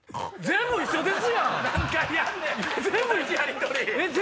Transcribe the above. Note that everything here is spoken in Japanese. ⁉全部一緒ですやん！